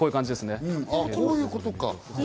こういうことか。